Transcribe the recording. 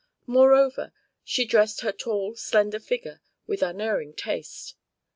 Moreover, she dressed her tall slender figure with unerring taste.